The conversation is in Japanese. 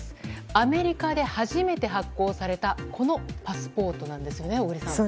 アメリカで初めて発行されたこのパスポートなんですよね小栗さん。